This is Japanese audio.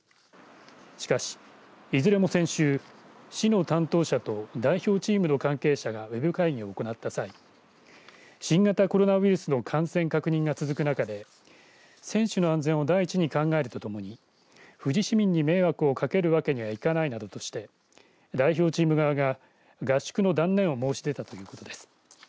しかし、いずれも先週市の担当者と代表チームの関係者がウェブ会議を行った際新型コロナウイルスの感染確認が続く中で選手の安全を第一に考えるとともに富士市民に迷惑をかけるわけにはいかないなどとして代表チーム側が合宿の断念を申し出たということです。